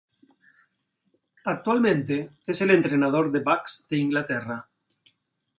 Actualmente es el entrenador de backs de Inglaterra.